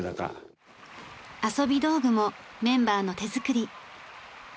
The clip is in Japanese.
遊び道具もメンバーの手作り。